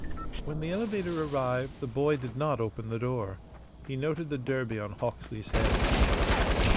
When the elevator arrived the boy did not open the door. He noted the derby on Hawksley's head.